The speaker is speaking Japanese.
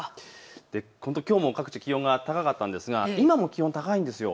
きょうも各地、気温が高かったんですが今も気温、高いんです。